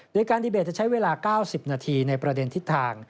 โดยการดีเบตจะใช้เวลา๙๐นาทีในประเด็นทิศทาง